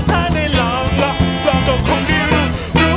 ถ้าได้ลองลองลองก็คงได้รู้รู้รู้